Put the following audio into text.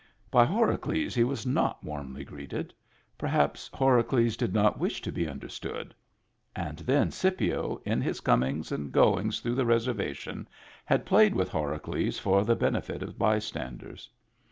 By Horacles he was not warmly greeted; perhaps Horacles did not wish to be understood — and then, Scipio, in his comings and goings through the reservation, had played with Horacles for the benefit of bystanders.